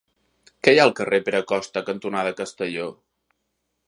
Què hi ha al carrer Pere Costa cantonada Castelló?